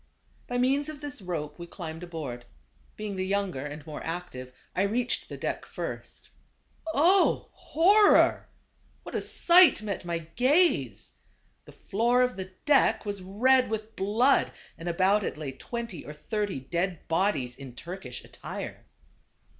By means of this rope we climbed aboard. Being the younger and more active I reached the deck first. Oh ! horror ! what a sight met my gaze. The floor of the deck was red with blood and about it lay twenty or thirty dead bodies in Turkish attire.